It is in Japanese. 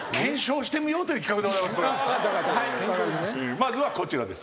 まずはこちらです。